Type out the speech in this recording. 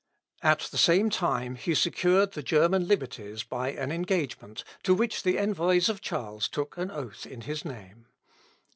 At the same time he secured the German liberties by an engagement, to which the envoys of Charles took an oath in his name.